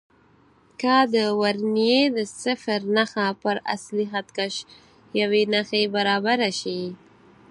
که د ورنیې د صفر نښه پر اصلي خط کش یوې نښې برابره شي.